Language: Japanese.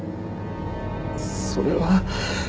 それは。